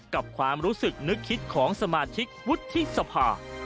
กับความรู้สึกนึกคิดของสมาชิกวุฒิสภา